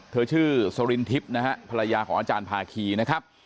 เธอชื่อสรินทิพย์ภรรยาของอาจารย์พาคีย์นะครับ